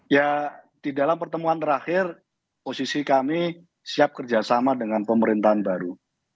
ya di dalam pertemuan terakhir posisi kami siap kerjasama dengan pemerintahan baru